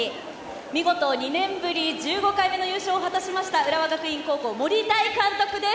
見事２年ぶり１５回目の優勝を果たしました浦和学院高校森大監督です。